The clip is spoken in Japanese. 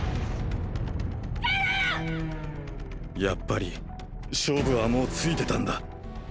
やっぱり勝負はもうついてたんだ。